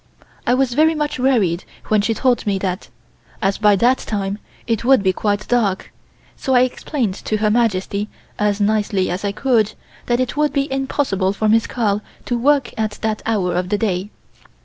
I was very much worried when she told me that, as by that time it would be quite dark, so I explained to Her Majesty as nicely as I could that it would be impossible for Miss Carl to work at that hour of the day.